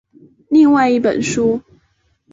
另外一本书。